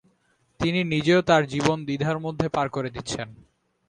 তিনি নিজেও তাঁর জীবন দ্বিধার মধ্যে পার করে দিচ্ছেন।